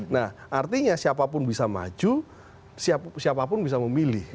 nah artinya siapapun bisa maju siapapun bisa memilih